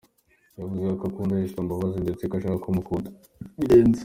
Yunzemo ko akunda Esther Mbabazi ndetse ko ashaka kumukunda birenze.